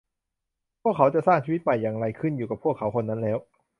พวกเขาจะสร้างชีวิตใหม่อย่างไร ขึ้นอยู่กับ พวกเขาคนนั้นแล้ว